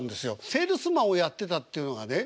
セールスマンをやってたっていうのがね